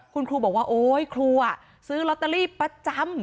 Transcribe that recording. คุณครูบอกว่าโอ๊ยครูซื้อลอตเตอรี่ประจำ